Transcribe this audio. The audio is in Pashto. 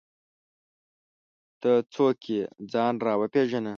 ته څوک یې ځان راوپېژنه!